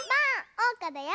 おうかだよ！